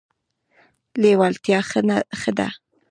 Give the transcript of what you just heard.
لیوالتیا ښه ده.